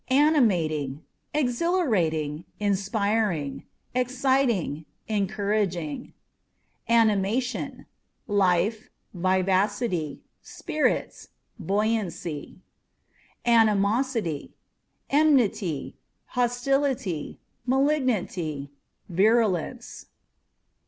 Animating â€" exhilarating, inspiring, exciting, encouraging. Animation â€" life, vivacity, spirits, buoyancy. Animosity â€" enmity, hostility, malignity, virulence.